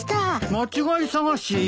間違い探し？